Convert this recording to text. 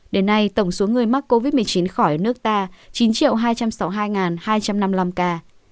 đến nay tổng số người mắc covid một mươi chín khỏi nước ta chín hai trăm sáu mươi hai hai trăm năm mươi năm ca